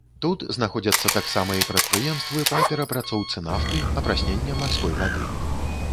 Тут знаходзяцца таксама і прадпрыемствы па перапрацоўцы нафты, апраснення марской вады.